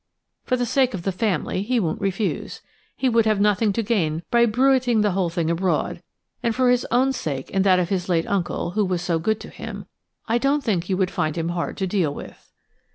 For the sake of the family he won't refuse. He would have nothing to gain by bruiting the whole thing abroad; and for his own sake and that of his late uncle, who was so good to him, I don't think you would find him hard to deal with."